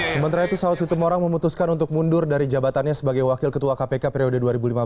sementara itu saud situmorang memutuskan untuk mundur dari jabatannya sebagai wakil ketua kpk periode dua ribu lima belas dua ribu